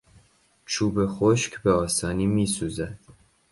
چوب خشک به آسانی میسوزد.